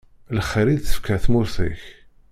Lxir i d-tefka tmurt-ik.